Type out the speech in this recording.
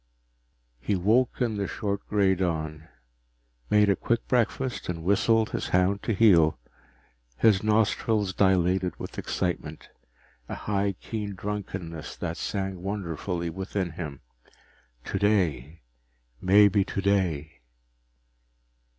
He woke in the short gray dawn, made a quick breakfast, and whistled his hound to heel. His nostrils dilated with excitement, a high keen drunkenness that sang wonderfully within him. Today maybe today!